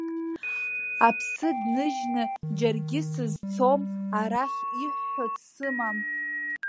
Аԥсы дныжьны џьаргьы сызцом, арахь иҳәҳәо дсымам.